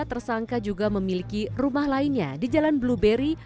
tersangka juga memiliki rumah lainnya di jalan blueberry